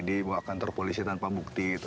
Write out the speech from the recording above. dibawa kantor polisi tanpa bukti